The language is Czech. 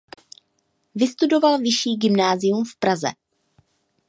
Vystudoval vyšší gymnázium v Praze.